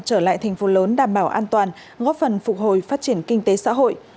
trở lại thành phố lớn đảm bảo an toàn góp phần phục hồi phát triển kinh tế xã hội